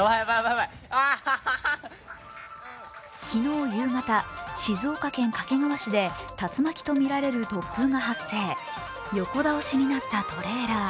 昨日夕方静岡県掛川市で竜巻とみられる突風が発生横倒しになったトレーラー。